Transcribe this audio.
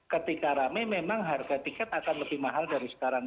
ketika rame memang harga tiket akan lebih mahal dari sekarang